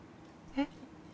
えっ？